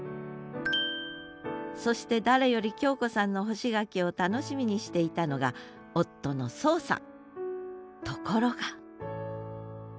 そして誰より恭子さんの干し柿を楽しみにしていたのが夫の荘さん。